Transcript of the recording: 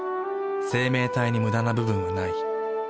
生命体にムダな部分はない。